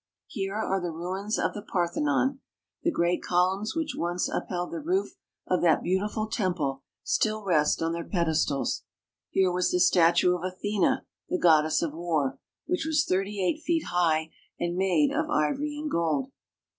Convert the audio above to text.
Here are the ruins of the Parthenon ; the great columns which once upheld the roof of that beautiful tem ple still rest on their pedestals; here was the statue of Athena, the goddess of war, which was thirty eight feet high and made of ivory and gold.